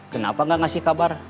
kenapa gak ngasih kabar